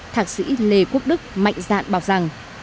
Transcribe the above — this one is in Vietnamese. thạc sĩ lê quốc đức mạnh dạn bảo rằng